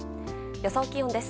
予想気温です。